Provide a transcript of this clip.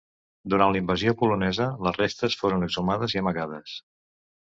Durant la invasió polonesa, les restes foren exhumades i amagades.